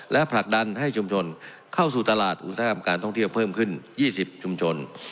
และผลักดันให้ชุมชนเข้าสู่ตลาดอุตสาหกรรมการท่องเที่ยวเพิ่มขึ้น๒๐ชุมชน